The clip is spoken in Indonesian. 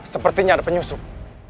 sepertinya ada penyusup